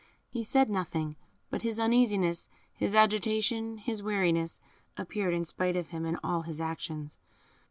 He said nothing, but his uneasiness, his agitation, his weariness, appeared in spite of him in all his actions.